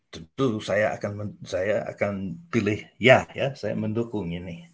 tentu saya akan saya akan pilih ya ya saya mendukung ini